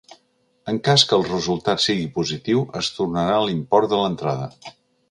En cas que el resultat sigui positiu, es tornarà l’import de l’entrada.